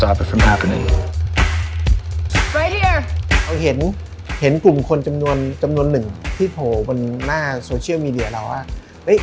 ไหนดีอ่ะเราเห็นเห็นกลุ่มคนจำนวนจำนวนหนึ่งที่โผล่บนหน้าโซเชียลมีเดียเราว่า